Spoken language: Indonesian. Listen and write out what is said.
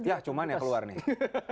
ya cuman ya keluar nih